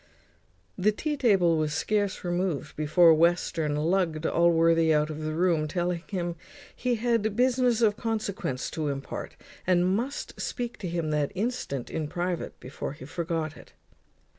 The tea table was scarce removed before Western lugged Allworthy out of the room, telling him he had business of consequence to impart, and must speak to him that instant in private, before he forgot it.